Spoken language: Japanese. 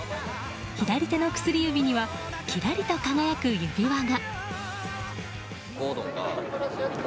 左手の薬指にはきらりと輝く指輪が。